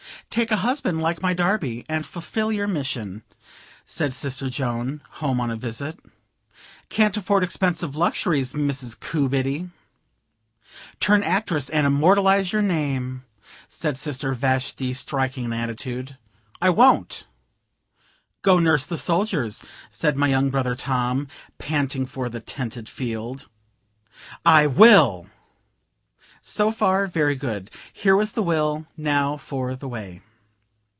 "Take a husband like my Darby, and fulfill your mission," said sister Joan, home on a visit. "Can't afford expensive luxuries, Mrs. Coobiddy." "Turn actress, and immortalize your name," said sister Vashti, striking an attitude. "I won't." "Go nurse the soldiers," said my young brother, Tom, panting for "the tented field." "I will!" So far, very good. Here was the will now for the way.